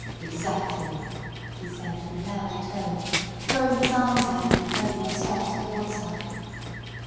"Exactly," he said in a louder tone, throwing his arms out and making a step towards her.